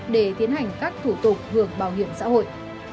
để tiến hành các thủ tục hưởng bảo hiểm xã hội